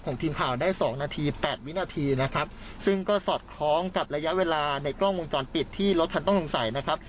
ทีมข่าวได้สองนาทีแปดวินาทีนะครับซึ่งก็สอดคล้องกับระยะเวลาในกล้องวงจรปิดที่รถคันต้องสงสัยนะครับ